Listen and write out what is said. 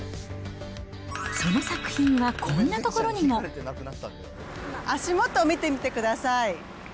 その作品はこんな所にも。足元を見てみてください。